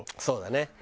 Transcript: そうだね。